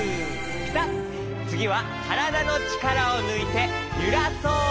つぎはからだのちからをぬいてゆらそう。